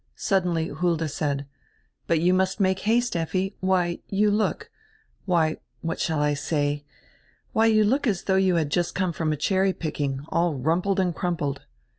Suddenly Hulda said: "But you must make haste, Effi; why, you look — why, what shall I say — why, you look as though you had just come from a cherry picking, all rumpled and crumpled.